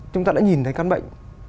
chúng ta đã nhìn thấy căn bệnh